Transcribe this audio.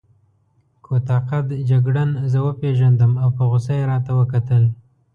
کوتاه قد جګړن زه وپېژندم او په غوسه يې راته وکتل.